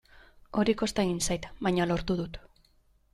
Hori kosta egin zait, baina lortu dut.